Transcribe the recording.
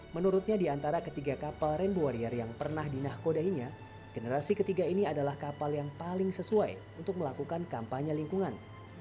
menurutnya di antara ketiga kapal rainbow warrior yang pernah dinahkodainya generasi ketiga ini adalah kapal yang paling sesuai untuk melakukan kampanye lingkungan